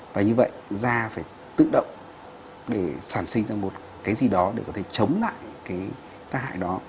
và như vậy da phải tự động để sản sinh ra một cái gì đó để có thể chống lại cái tác hại đó